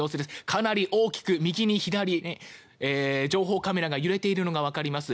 かなり大きく右に左に情報カメラが揺れているのがわかります。